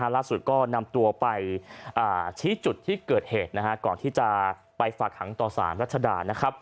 ล่าสุดก็นำตัวไปชี้จุดที่เกิดเหตุก่อนที่จะไปฝากหังต่อสารรัชดา